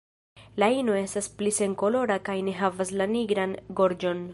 La ino estas pli senkolora kaj ne havas la nigran gorĝon.